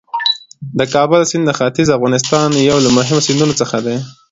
د کابل سیند د ختیځ افغانستان یو له مهمو سیندونو څخه دی.